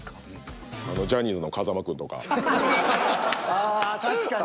ああ確かに。